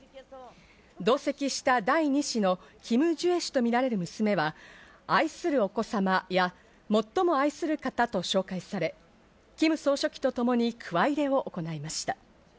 同席した第２子のキム・ジュエ氏とみられる娘は愛するお子様や最も愛する方と紹介され、キム総書記とともに、くわ入れを行いました。